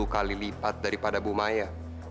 sepuluh kali lipat daripada bu maya